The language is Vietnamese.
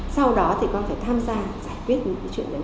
sau đó thì con phải tham gia giải quyết những cái chuyện đấy